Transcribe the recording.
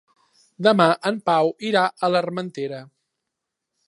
Demà en Pau irà a l'Armentera.